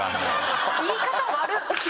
言い方悪っ！